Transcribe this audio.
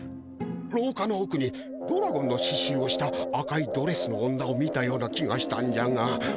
ろうかのおくにドラゴンのししゅうをした赤いドレスの女を見たような気がしたんじゃが。